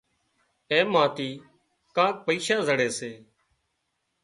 اين مان ٿي ڪانڪ پئيشا مۯي سي